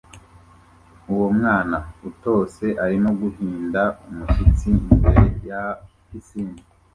Umwana utose arimo guhinda umushyitsi imbere ya pisine